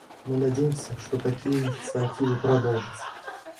Мы надеемся, что такие инициативы продолжатся.